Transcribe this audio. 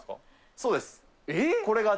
そうです。